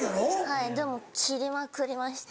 はいでも切りまくりまして。